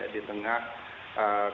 di tengah covid sembilan belas